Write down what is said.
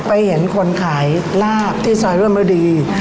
ไปเห็นคนขายลาบที่ซอยร่มดี